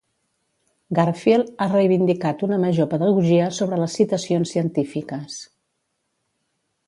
Garfield ha reivindicat una major pedagogia sobre les citacions científiques.